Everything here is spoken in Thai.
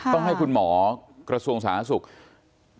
ต้องให้คุณหมอกระทรวงสหสุทธิ์